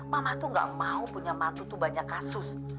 mama tuh nggak mau punya matu tuh banyak kasus